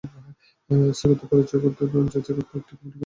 স্থগিত করা পরিচয়পত্রগুলো যাচাই করতে একটি কমিটি গঠন করেছে প্রাদেশিক সরকার।